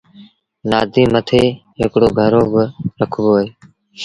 نآديٚ مٿي هڪڙو گھڙو با رکبو اهي۔